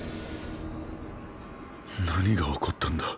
何が起こったんだ？